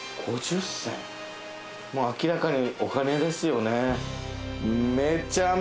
もう明らかにお金ですよね。